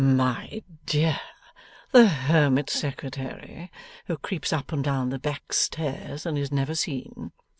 'My dear! The hermit Secretary, who creeps up and down the back stairs, and is never seen!